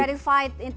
ya certified intinya ya